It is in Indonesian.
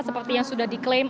seperti yang sudah diklaim